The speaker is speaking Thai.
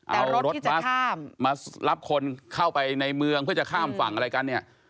เอารถบัสมารับคนเข้าไปในเมืองเพื่อจะข้ามฝั่งอะไรกันเนี่ย